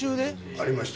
ありました。